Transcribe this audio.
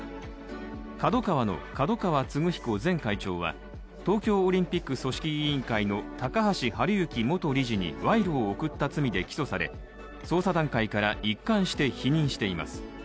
ＫＡＤＯＫＡＷＡの角川歴彦前会長は、東京オリンピック組織委員会の高橋治之元理事に賄賂を贈った罪で起訴され捜査段階から、一貫して否認しています。